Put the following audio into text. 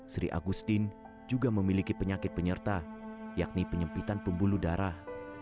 sri agustin juga memiliki penyakit penyerta yakni penyempitan pembuluh darah